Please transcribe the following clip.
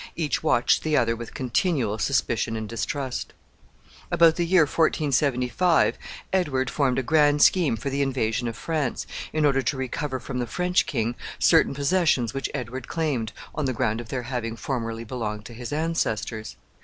Each watched the other with continual suspicion and distrust. About the year 1475, Edward formed a grand scheme for the invasion of France, in order to recover from the French king certain possessions which Edward claimed, on the ground of their having formerly belonged to his ancestors.